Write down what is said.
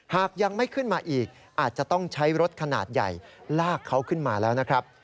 หากยังไม่ขึ้นมาอีกอาจจะต้องใช้รถขนาดใหญ่ลากเขาขึ้นมาแล้วนะครับ